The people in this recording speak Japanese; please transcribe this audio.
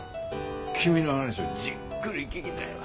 君の話をじっくり聞きたいわ。